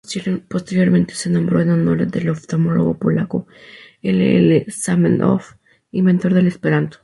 Posteriormente se nombró en honor del oftalmólogo polaco L. L. Zamenhof, inventor del esperanto.